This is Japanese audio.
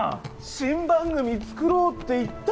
新番組作ろうって言ったじゃん！